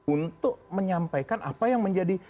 untuk menyampaikan apa yang menjadi